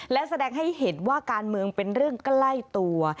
และแสดงให้เห็นว่าการเมืองเป็นเรื่องใกล้ตัว